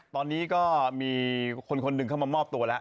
ตอนนี้ก็มีคนนึงข้าวมามอบตัวละ